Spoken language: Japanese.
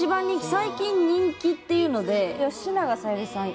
最近人気っていうので吉永小百合さん